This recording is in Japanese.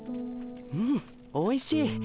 うんおいしい。